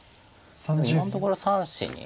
今のところ３子に。